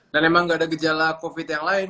dan emang gak ada gejala covid yang lain